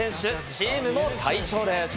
チームも大勝です。